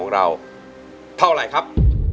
เราเท่าไหร่ครับ